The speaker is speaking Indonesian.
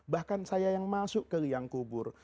bahkan saya yang masuk ke liang kubur